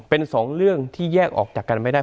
เป็นสองเรื่องที่แยกออกจากกันไม่ได้